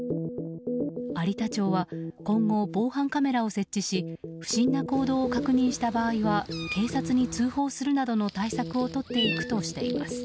有田町は今後、防犯カメラを設置し不審な行動を確認した場合は警察に通報するなどの対策をとっていくとしています。